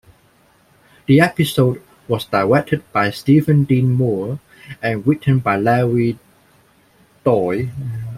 The episode was directed by Steven Dean Moore and written by Larry Doyle.